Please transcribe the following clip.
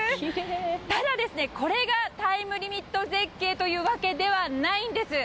ただ、これがタイムリミット絶景というわけではないんです。